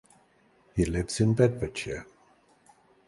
He lives in Bedfordshire.